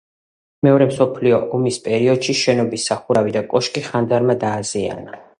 მეორე მსოფლიო ომის პერიოდში შენობის სახურავი და კოშკი ხანძარმა დააზიანა.